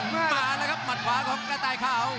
แม่มาล่ะครับมัดขวาเขาเนคตล้ายเขา